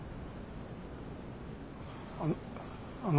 あのあの。